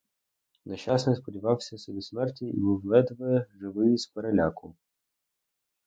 Нещасний сподівався собі смерті і був ледве живий з переляку.